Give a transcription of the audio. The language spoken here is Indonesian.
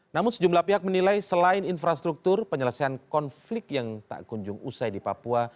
namun sejumlah pihak menilai selain infrastruktur penyelesaian konflik yang tak kunjung usai di papua